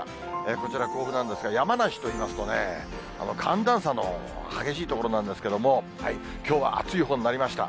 こちら甲府なんですが、山梨といいますとね、寒暖差の激しい所なんですけど、きょうは暑いほうになりました。